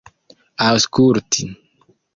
aŭskulti